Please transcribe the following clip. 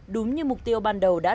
đúng như mục tiêu ban đầu đã đạt ra